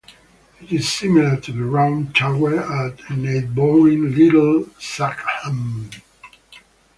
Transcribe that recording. It is similar to the round tower at neighbouring Little Saxham.